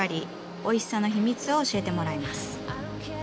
おいしさの秘密を教えてもらいます。